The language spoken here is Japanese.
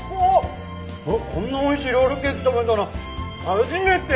こんな美味しいロールケーキ食べたの初めて！